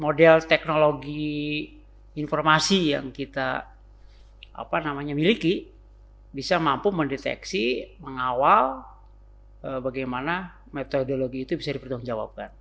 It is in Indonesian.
model teknologi informasi yang kita miliki bisa mampu mendeteksi mengawal bagaimana metodologi itu bisa dipertanggungjawabkan